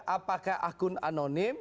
apakah akun anonim